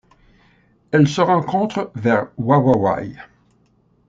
Elle se rencontre vers Wawawai.